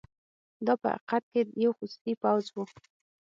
دا په حقیقت کې یو خصوصي پوځ وو.